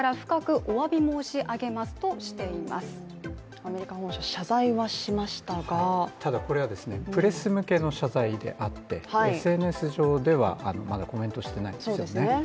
アメリカも謝罪はしましたがこれはプレス向けの謝罪であって、ＳＮＳ上では謝罪をまだしていないんですね。